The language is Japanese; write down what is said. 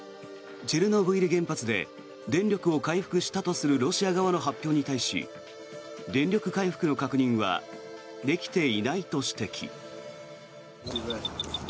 チェルノブイリ原発で電力を回復したとするロシア側の発表に対し電力回復の確認はできていないと指摘。